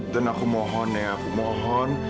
dan aku mohon ya aku mohon